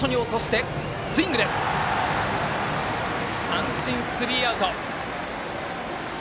三振、スリーアウト。